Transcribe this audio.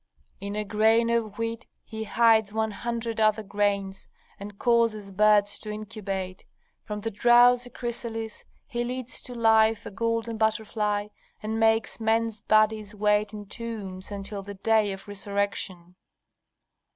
"In a grain of wheat He hides one hundred other grains, and causes birds to incubate. From the drowsy chrysalis He leads to life a golden butterfly, and makes men's bodies wait in tombs until the day of resurrection."